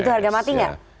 itu harga mati nggak